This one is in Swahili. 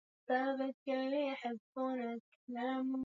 kwa kuwapa silaha Waislamu wenye itikadi kali kama vile huko Palestina